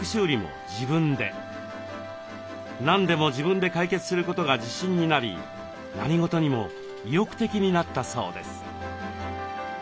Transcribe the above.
何でも自分で解決することが自信になり何事にも意欲的になったそうです。